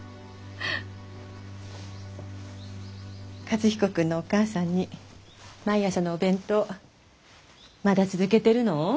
和彦君のお母さんに毎朝のお弁当まだ続けてるの？